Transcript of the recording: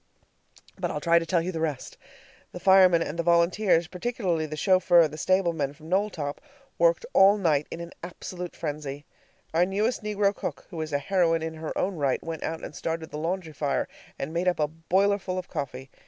But I'll try to tell you the rest. The firemen and the volunteers particularly the chauffeur and stablemen from Knowltop worked all night in an absolute frenzy. Our newest negro cook, who is a heroine in her own right, went out and started the laundry fire and made up a boilerful of coffee.